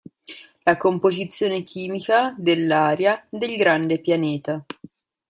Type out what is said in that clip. La composizione chimica dell'aria del grande pianeta.